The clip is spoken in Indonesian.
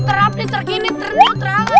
terupdate terkini ternew terangah